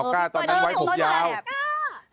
พิบเบิ้ลได้สมมุติอย่างนี้